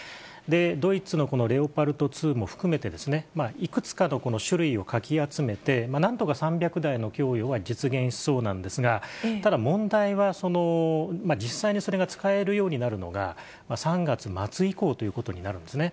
ドイツのこのレオパルト２も含めていくつかの種類をかき集めて、なんとか３００台の供与は実現しそうなんですが、ただ問題は、実際にそれが使えるようになるのが、３月末以降ということになるんですね。